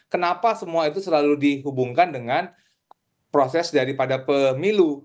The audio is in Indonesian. kenapa semua itu selalu dihubungkan dengan proses daripada pemilu